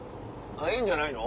いいんじゃないの。